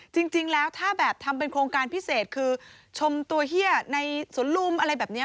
จริงแล้วถ้าแบบทำเป็นโครงการพิเศษคือชมตัวเฮียในสวนลุมอะไรแบบนี้